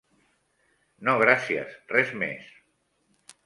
No gràcies, res més.